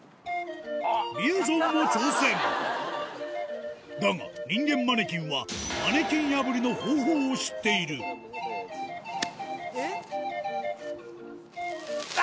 みやぞんも挑戦だが人間マネキンはマネキン破りの方法を知っているえっ？